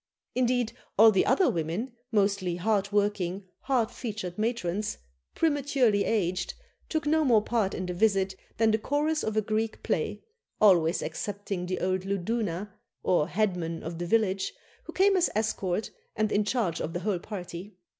Indeed, all the other women, mostly hard working, hard featured matrons, prematurely aged, took no more part in the visit than the chorus of a Greek play, always excepting the old luduna, or headman of the village, who came as escort, and in charge of the whole party.